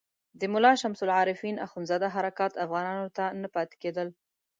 د ملا شمس العارفین اخندزاده حرکات افغانانو ته نه پاتې کېدل.